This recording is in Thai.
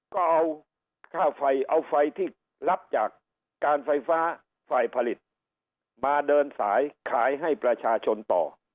ก็เอาค่าไฟเอาไฟที่รับจากการไฟฟ้าฝ่ายผลิตมาเดินสายขายให้ประชาชนต่อ